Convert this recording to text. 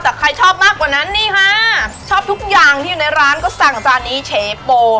แต่ใครชอบมากกว่านั้นนี่ค่ะชอบทุกอย่างที่อยู่ในร้านก็สั่งจานนี้เฉโป